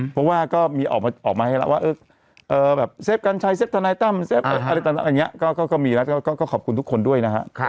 เพราะว่าก็ออกมาให้เราว่าเอ้อแบบเซฟกัญชัยเซฟทะนายตั้มเซฟอะไรไรเงี้ยก็มีนะก็ขอบคุณทุกคนด้วยนะฮะ